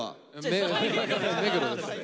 目黒です。